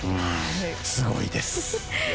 すごいです。